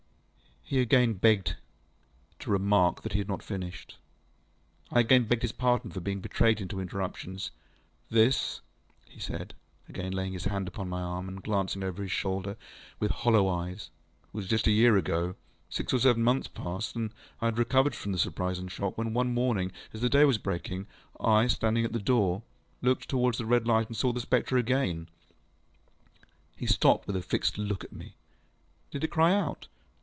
He again begged to remark that he had not finished. I again begged his pardon for being betrayed into interruptions. ŌĆ£This, ŌĆØ he said, again laying his hand upon my arm, and glancing over his shoulder with hollow eyes, ŌĆ£was just a year ago. Six or seven months passed, and I had recovered from the surprise and shock, when one morning, as the day was breaking, I, standing at the door, looked towards the red light, and saw the spectre again. ŌĆØ He stopped, with a fixed look at me. ŌĆ£Did it cry out?